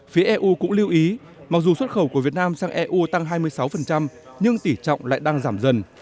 phía eu cũng lưu ý mặc dù xuất khẩu của việt nam sang eu tăng hai mươi sáu nhưng tỉ trọng lại đang giảm dần